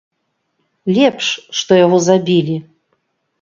Лепш, што яго забілі.